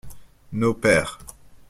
Nos pères.